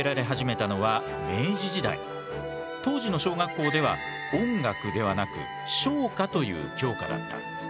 当時の小学校では音楽ではなく唱歌という教科だった。